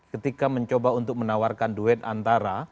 ketika mencoba untuk menawarkan duet antara